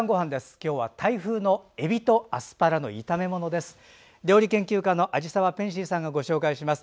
今日はタイ風のえびとアスパラの炒めものです。